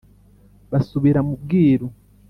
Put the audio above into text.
” basubira mu bwiru